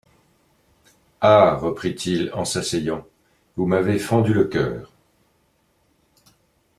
Ah ! reprit-il en s'asseyant, vous m'avez fendu le cœur.